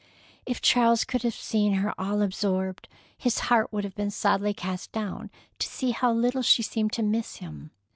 If Charles could have seen her all absorbed, his heart would have been sadly cast down to see how little she seemed to miss him.